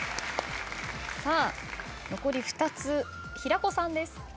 さあ残り２つ平子さんです。